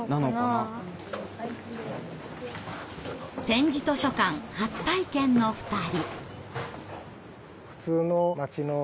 点字図書館初体験の２人。